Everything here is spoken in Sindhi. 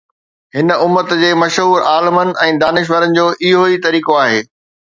هن امت جي مشهور عالمن ۽ دانشورن جو اهو ئي طريقو آهي.